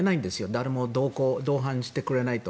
誰も同伴してくれないと。